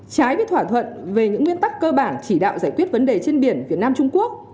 trái với thỏa thuận về những nguyên tắc cơ bản chỉ đạo giải quyết vấn đề trên biển việt nam trung quốc